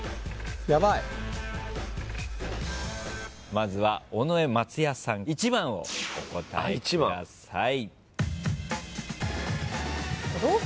まずは尾上松也さん１番をお答えください。